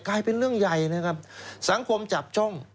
กลายเป็นเรื่องใหญ่นะครับสังคมจับจ้อง